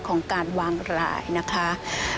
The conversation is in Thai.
ของการวางรายนะคะ